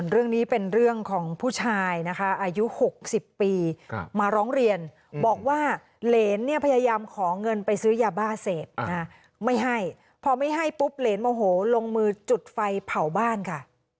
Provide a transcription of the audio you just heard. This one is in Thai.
เรื่องนี้เป็นเรื่องของผู้ชายนะคะอายุ๖๐ปีมาร้องเรียนบอกว่าเหรนเนี่ยพยายามขอเงินไปซื้อยาบ้าเสพไม่ให้พอไม่ให้ปุ๊บเหรนโมโหลงมือจุดไฟเผาบ้านค่ะ